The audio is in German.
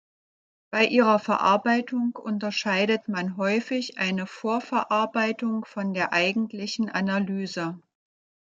Bei ihrer Verarbeitung unterscheidet man häufig eine Vorverarbeitung von der eigentlichen Analyse.